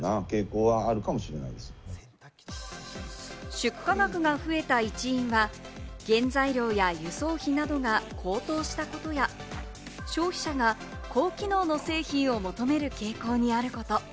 出荷額が増えた一因は原材料や輸送費などが高騰したことや、消費者が高機能の製品を求める傾向にあること。